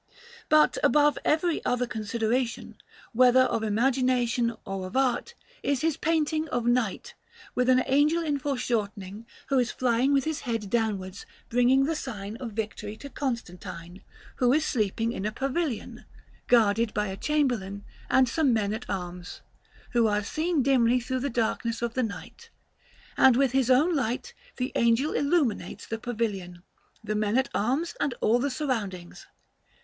But above every other consideration, whether of imagination or of art, is his painting of Night, with an angel in foreshortening who is flying with his head downwards, bringing the sign of victory to Constantine, who is sleeping in a pavilion, guarded by a chamberlain and some men at arms who are seen dimly through the darkness of the night; and with his own light the angel illuminates the pavilion, the men at arms, and all the surroundings.